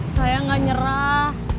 saya gak nyerah